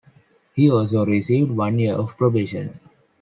He also received one year of probation.